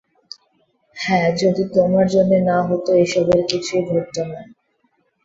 হ্যাঁ, যদি তোমার জন্যে না হত, এসবের কিছুই ঘটত না।